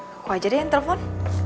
aku aja deh yang telfon